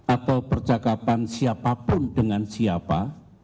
atau percakapan siapapun dengan siapa